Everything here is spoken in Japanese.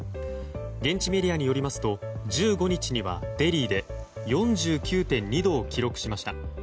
現地メディアによりますと１５日にはデリーで４９．２度を記録しました。